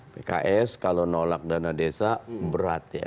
pks kalau nolak dana desa berat ya